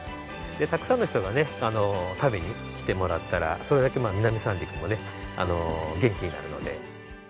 たくさんの人が食べに来てもらったらそれだけ南三陸も元気になるので。